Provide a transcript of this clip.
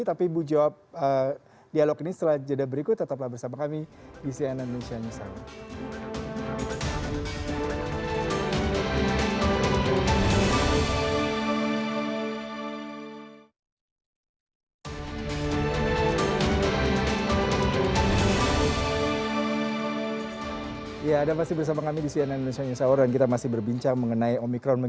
tapi ibu jawab dialog ini setelah jeda berikut tetaplah bersama kami di cnn indonesia news